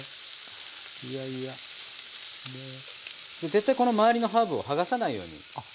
絶対この周りのハーブを剥がさないように。